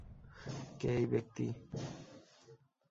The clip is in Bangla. কে এই ব্যক্তি?